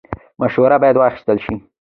مشوره باید واخیستل شي